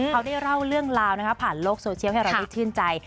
เขาได้เล่าเรื่องราวผ่านโลกโซเชียลให้เราได้ชื่นใจ